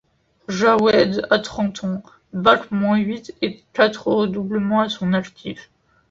Jahwad a trente ans, Bac moins huit et quatre redoublements à son actif.